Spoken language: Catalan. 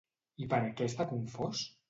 I per què està confós?